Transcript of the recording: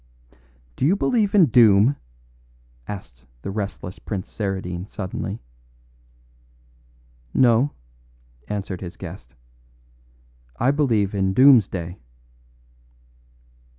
"Do you believe in doom?" asked the restless Prince Saradine suddenly. "No," answered his guest. "I believe in Doomsday."